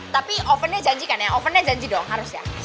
tapi ovennya janjikan ya ovennya janji dong harus ya